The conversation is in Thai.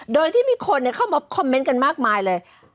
โดยที่มีคนเข้ามาคอมเมนต์กันมากมายเลย